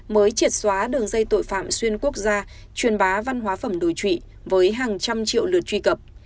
mới triệt xóa đường dây tội phạm xuyên quốc gia truyền bá văn hóa phẩm đối trụy với hàng trăm triệu lượt truy cập